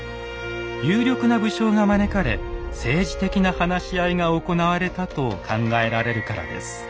有力な武将が招かれ政治的な話し合いが行われたと考えられるからです。